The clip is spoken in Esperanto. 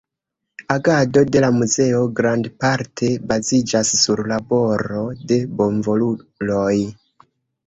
Agado de la muzeo grandparte baziĝas sur laboro de volontuloj.